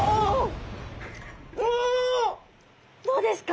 どうですか？